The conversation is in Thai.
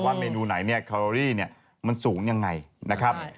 ว่าเมนูไหนคาโลรี่มันสูงอย่างไรนะครับ